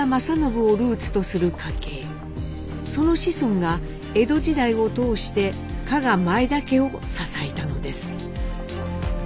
その子孫が江戸時代を通して加賀前田家を支えたのです。